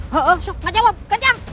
hei nggak jawab kecam